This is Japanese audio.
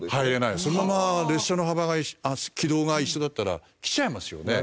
そのまま列車の幅が軌道が一緒だったら来ちゃいますよね。